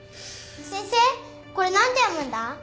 先生これ何て読むんだ？